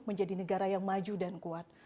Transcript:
menjadi negara yang maju dan kuat